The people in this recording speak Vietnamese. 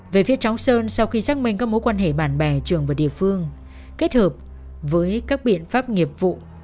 về phía cháu sơn sau khi xác minh các mối quan hệ bạn bè trường và địa phương kết hợp với các biện pháp nghiệp vụ